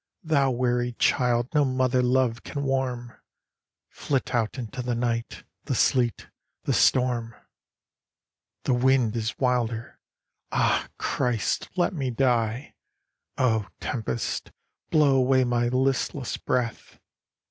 Thou weary child no mother love can warm, Flit out into the night, the sleet, the storm. " The wind is wilder. Ah, Christ, let me die ! Oh, Tempest, blow away my listless breath !